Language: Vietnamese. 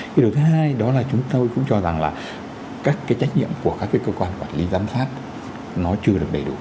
cái điều thứ hai đó là chúng tôi cũng cho rằng là các cái trách nhiệm của các cái cơ quan quản lý giám sát nó chưa được đầy đủ